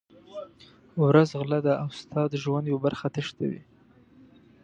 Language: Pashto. ورځ غله ده او ستا د ژوند یوه برخه تښتوي.